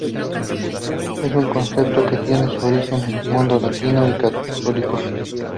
Es un concepto que tiene su origen en el mundo latino y católico.